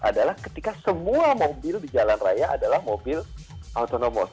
adalah ketika semua mobil di jalan raya adalah mobil autonomous